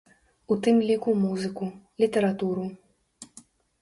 У тым ліку музыку, літаратуру.